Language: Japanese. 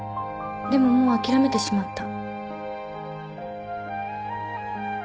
でももう諦めてしまった。